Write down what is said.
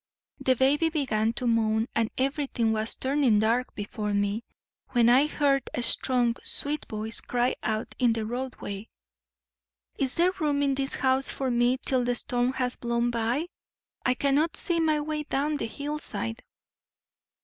The baby began to moan and everything was turning dark before me, when I heard a strong, sweet voice cry out in the roadway: "'Is there room in this house for me till the storm has blown by? I cannot see my way down the hillside.'